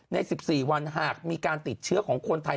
ใน๑๔วันหากมีการติดเชื้อของคนไทย